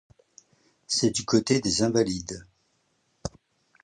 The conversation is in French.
C'est du côté des Invalides.